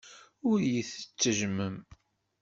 Ur iyi-tettejjmem.